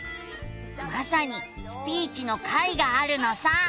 まさに「スピーチ」の回があるのさ。